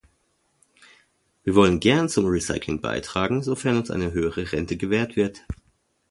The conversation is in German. Wir wollen gern zum Recycling beitragen, sofern uns eine höhere Rente gewährt wird.